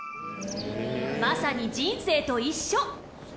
まさに、人生と一緒！